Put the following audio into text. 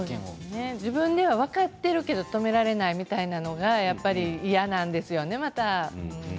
自分では分かっているけれど止められないみたいなものが嫌なんですよね。